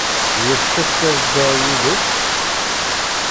Yessefk ad dduɣ yid-k?